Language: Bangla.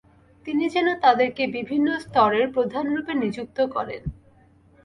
তিনি যেন তাদেরকে বিভিন্ন স্তরের প্রধানরূপে নিযুক্ত করেন।